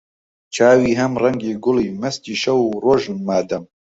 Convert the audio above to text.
چاوی هەم ڕەنگی گوڵی، مەستی شەو و ڕۆژن مەدام